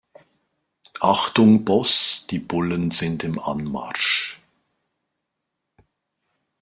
Achtung Boss, die Bullen sind im Anmarsch.